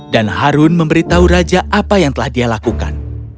dan harun memberitahu raja apa yang telah dia lakukan